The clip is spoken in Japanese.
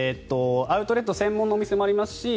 アウトレット専門のお店もありますし